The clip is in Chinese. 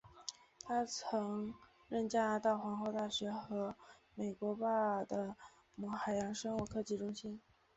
他曾任职加拿大皇后大学和美国巴尔的摩海洋生物科技中心。